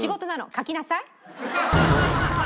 描きなさい。